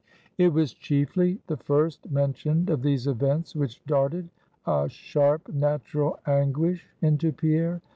It was chiefly the first mentioned of these events which darted a sharp natural anguish into Pierre.